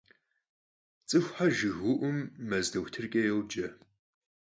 Ts'ıxuxer jjıgıu'um mez doxutırç'e yoce.